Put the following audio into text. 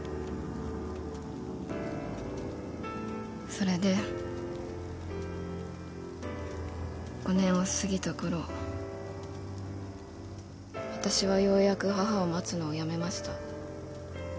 それで５年を過ぎた頃私はようやく母を待つのをやめました。